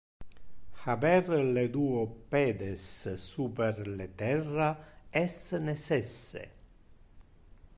Haber le duo pedes super le terra es necesse.